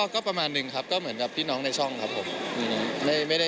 ก็ประมาณนึงครับก็เหมือนกับพี่น้องในช่องครับผม